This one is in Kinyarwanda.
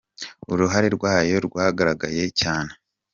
Uruhare rw’ayo rwaragaragaye cyane.